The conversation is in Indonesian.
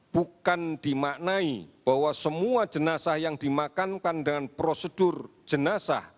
bukan dimaknai bahwa semua jenazah yang dimakamkan dengan prosedur jenazah